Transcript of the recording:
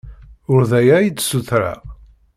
Ur d aya ay d-ssutreɣ.